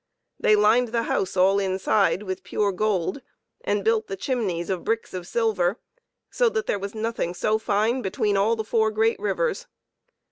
They lined the house all inside with pure gold, and built the chimneys of bricks of silver, so that there was nothing so fine between all the four great rivers.